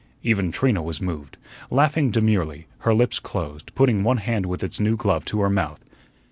Even Trina was moved, laughing demurely, her lips closed, putting one hand with its new glove to her mouth.